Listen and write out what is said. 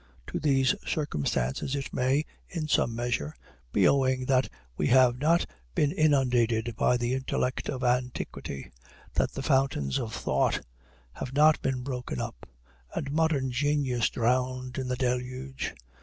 To these circumstances it may, in some measure, be owing that we have not been inundated by the intellect of antiquity; that the fountains of thought have not been broken up, and modern genius drowned in the deluge.